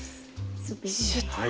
シュッと。